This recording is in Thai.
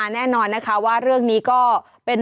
แน่นอนนะคะว่าเรื่องนี้ก็เป็น